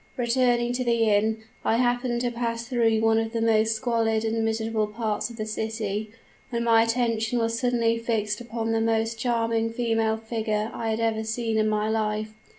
"Returning to the inn, I happened to pass through one of the most squalid and miserable parts of the city, when my attention was suddenly fixed upon the most charming female figure I had ever seen in my life.